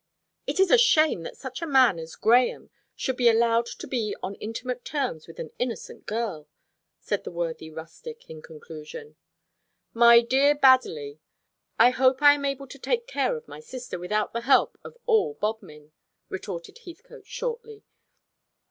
"It is a shame that such a man as Grahame should be allowed to be on intimate terms with an innocent girl," said the worthy rustic, in conclusion. "My dear Badderly, I hope I am able to take care of my sister without the help of all Bodmin," retorted Heathcote shortly.